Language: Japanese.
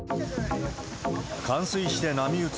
冠水して波打つ